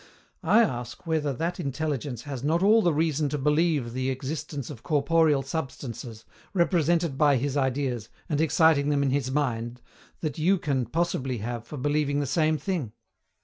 I ask whether that intelligence has not all the reason to believe the existence of corporeal substances, represented by his ideas, and exciting them in his mind, that you can possibly have for believing the same thing?